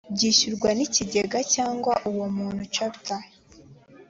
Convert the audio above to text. byishyurwa n ikigega cyangwa uwo muntu chapter